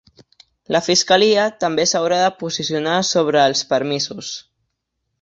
La fiscalia també s’haurà de posicionar sobre els permisos.